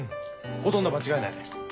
ほとんど間違いない。